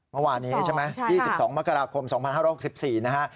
เมื่อวานนี้ใช่ไหม๒๒มกราคม๒๕๖๔นะฮะ